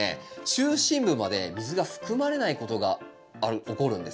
中心部まで水が含まれないことが起こるんですね。